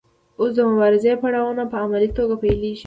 اوس د مبارزې پړاوونه په عملي توګه پیلیږي.